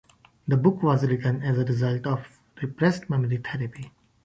The book was written as a result of repressed memory therapy.